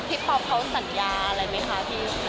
พี่พบเขาสัญญาอะไรมั้ยคะ